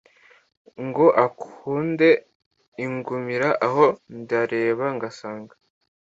Ngo akunde angumire aho Ndareba ngasanga